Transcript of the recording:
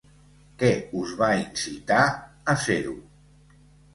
Què us va incitar a ser-ho?